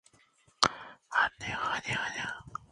آپ کا پسندیدہ کھانا کیا ہے؟